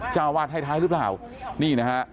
เจ้าวาดให้ท้ายหรือเปล่านี่นะฮะ